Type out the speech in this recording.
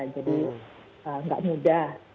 jadi nggak mudah